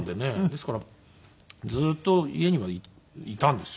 ですからずっと家にはいたんですよね。